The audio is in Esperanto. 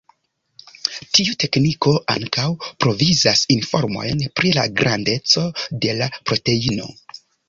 Tiu tekniko ankaŭ provizas informojn pri la grandeco de la proteino.